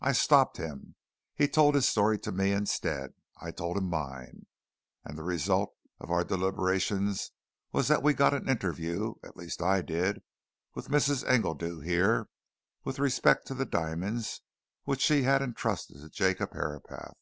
I stopped him he told his story to me instead. I told him mine. And the result of our deliberations was that we got an interview at least I did with Mrs. Engledew here, with respect to the diamonds which she had entrusted to Jacob Herapath.